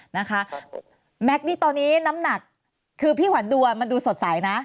นะคะแม็กซ์นี่ตอนนี้น้ำหนักคือพี่ขวัญดูมันดูสดใสนะ